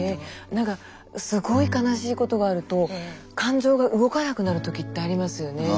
なんかすごい悲しいことがあると感情が動かなくなる時ってありますよね。